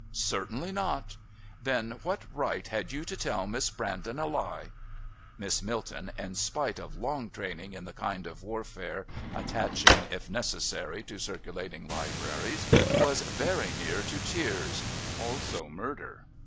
"Certainly not." "Then what right had you to tell Miss Brandon a lie?" Miss Milton, in spite of long training in the kind of warfare attaching, of necessity, to Circulating Libraries, was very near to tears also murder.